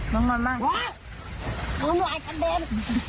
น้องนอนดิ